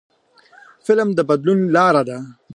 فلم د بدلون لاره ده